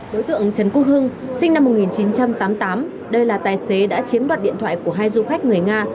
đối tượng trần quốc hưng sinh năm một nghìn chín trăm tám mươi tám đây là tài xế đã chiếm đoạt điện thoại của hai du khách người nga